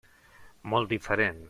Molt diferent.